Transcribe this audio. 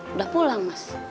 udah pulang mas